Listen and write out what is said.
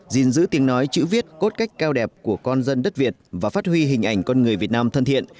dình giữ tiếng nói chữ viết cốt cách cao đẹp của con dân đất việt và phát huy hình ảnh con người việt nam thân thiện